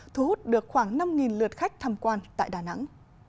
thu hút được khoảng năm lượt khách tham quan tại đà nẵng